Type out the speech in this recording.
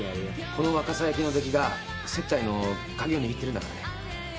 この若狭焼きのできが接待の鍵を握ってるんだからね